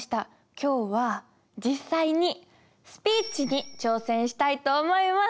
今日は実際にスピーチに挑戦したいと思います。